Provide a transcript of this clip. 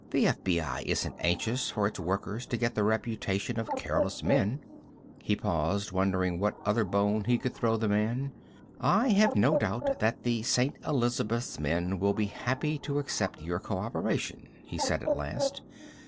The FBI isn't anxious for its workers to get the reputation of careless men." He paused, wondering what other bone he could throw the man. "I have no doubt that the St. Elizabeths men will be happy to accept your co operation," he said at last.